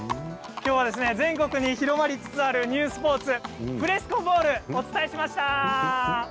全国に広がりつつあるニュースポーツフレスコボールをお伝えしました。